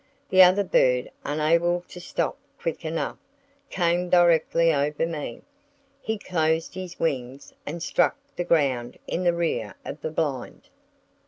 The other bird, unable to stop quick enough, came directly over me. He closed his wings and struck the ground in the rear of the blind.